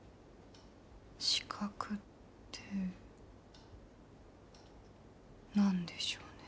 資格って何でしょうね。